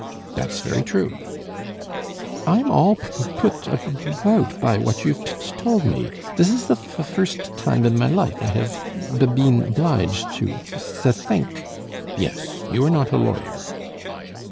"That's very true." "I'm all p p put ab b bout by what you've t t told me. This is the f first t t time in my life I have b been obliged to th th think " "Yes, you are not a lawyer."